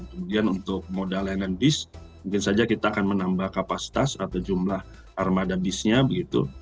kemudian untuk modal layanan bis mungkin saja kita akan menambah kapasitas atau jumlah armada bisnya begitu